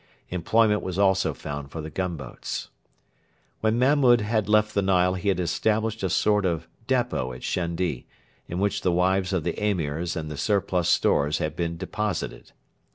Employment was also found for the gunboats. When Mahmud had left the Nile he had established a sort of depot at Shendi, in which the wives of the Emirs and the surplus stores had been deposited.